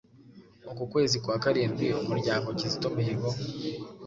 uku kwezi kwa karindwi, umuryango Kizito Mihigo